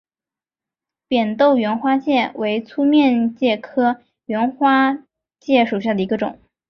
扁豆缘花介为粗面介科缘花介属下的一个种。